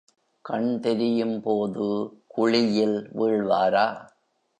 கண் தெரியும்போது குழியில் வீழ்வாரா?